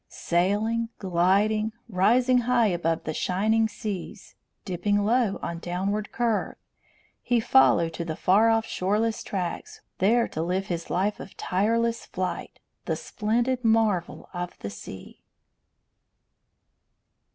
Sailing, gliding, rising high above the shining waves, dipping low on downward curve, he followed to the far off shoreless tracts, there to live his life of tireless flight, the splendid marvel of the sea.